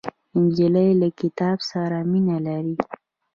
نجلۍ له کتاب سره مینه لري.